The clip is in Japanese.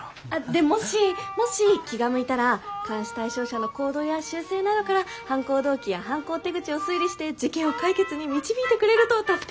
でもしもし気が向いたら監視対象者の行動や習性などから犯行動機や犯行手口を推理して事件を解決に導いてくれると助かるんですけど。